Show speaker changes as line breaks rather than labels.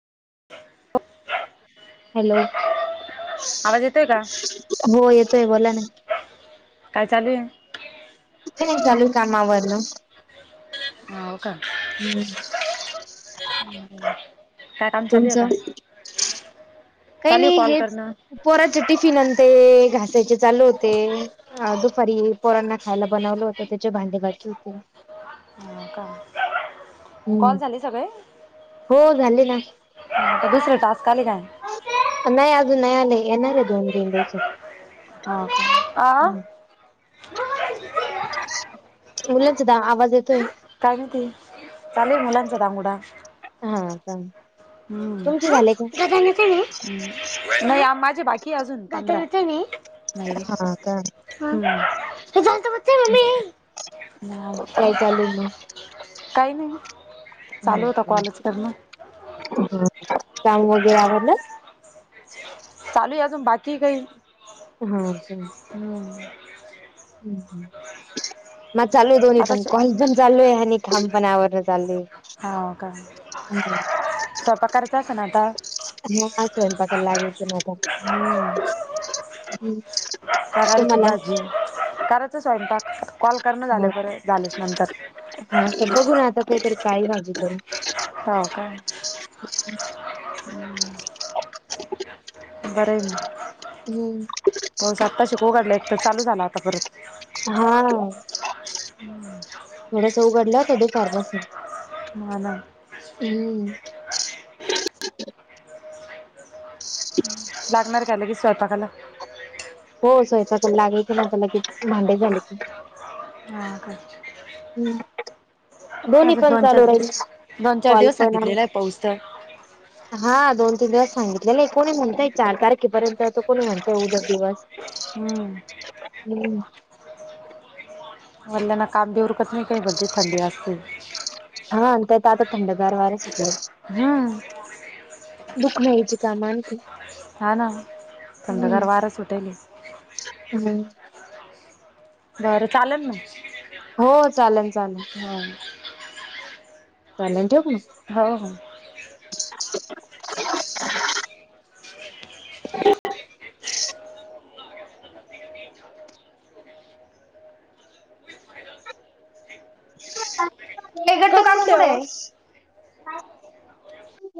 [inaudible]
Hello,,
आवाज येतोय का
हो येतोय बोला ना.
काय चालू ये?
तेन चालू कामावर नं
ह हो का
हम्म
काय काम चालूय
तुमचं
आता
काही नाही हेच,,
करणं
पोराचे टिफिन आण‌ ते घासायचे चालू होते हा दुपारी पोरांना खायला बनवलं होतं त्याचे भांडे बाकी होते
हा-का
हम्म,, हो झाले ना
दुसरं टास्क आले काय?
नाही अजून नाही आलेय, येणार आहे दोन तीन दिवसात
ह मम्मे‌‍‍‌ आ
मुलांचाच आवाज येतोय.
काय म्हणती,, चालूय मुलांचा दांगोडा.
हा का.
हम्म,
तुमचे झाले का?
नाही, आ माझे बाकी अजून, पंधरा. हे झालत ब
हा का.
म्हली. [unintelligible]
काय चालूय मग.?
काही नाही, चालू होता कॉलच करणं.
बर,,, काम वगैरे आवरलं.?
चालूय अजून बाकीय काही.
हा का.
हम्म
माझ चालू आहे दोन्ही
आता
पण,
स-
कॉल पण चालू आहे, आणि काम पण आववरण चालू आहे.
हो, का स्वयंपाक करायचा असन आता?
हं स्वयंपाकला लागायच न आता..
कराराची
तुम्हाला
भाजी, करायच स्वयंपाक, कॉल करण झाले
हा
पर झाल्याच्या नंतर.
हा तर बघू ना आता, काहीतरी काळी भाजी करू.
हां का.
[inaudible]
बरयना हो,
हम्म
पिऊस आत्ता शिकू घातला एक तर चालू झाला आता परत.
हां.
[inaudible]
थोडस उघडल, तर दुपारपासुन.
हां ना.
हम्म. [inaudible]
लागणार का लगेच स्वयंपाकाला?
हो स्वयंपाकाला लागायच ना आता लगेच किती भांडे झालेत.
हां का.
हम्म. दोन्ही
आजूक
पण
दोन
चालू
चार दिवस,
राहील
दोन चार
कॉल
दिवस सांगितलेला आहे पाऊस तर.
हां दोन, तीन दिवस सांगितलेल आहे. कोणी म्हणतय चार तारखेपर्यंत, तर कोणी म्हणतय उद्याच्या दिवस.
हम्म.
हम्म.
वडलांना काम बी ऊरकत नाही काही भलतीच थंडी असते.
हा, त्यात आता थंडगार वार सुटलय.
हां
दुखन यायची काम आणखी.
हा ना,
हम्म
थंडगार वार सुटलय.
हम्म.
बर चालल ना.
हो चालेल, चालेल.
हां
चालेल, ठेऊ का मग?
हो, हो.
[inaudible] [inaudible] हे. [unintelligible]
कुठले ओ.